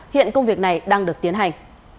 hiện công việc này đang được tiến hành